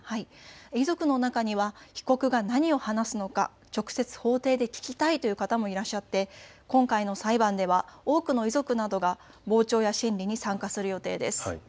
遺族の中には被告が何を話すのか直接、法廷で聞きたいという方もいらっしゃって今回の裁判では多くの遺族などが傍聴や審理に参加する予定です。